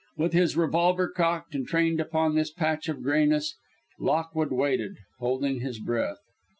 With his revolver cocked and trained upon this patch of grayness, Lockwood waited, holding his breath.